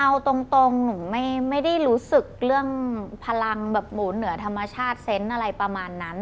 เอาตรงหนูไม่ได้รู้สึกเรื่องพลังแบบหมูเหนือธรรมชาติเซนต์อะไรประมาณนั้น